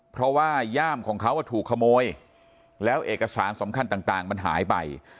เพราะว่าย่ามของเขาถูกขโมยแล้วเอกสารสำคัญต่างมันหายไป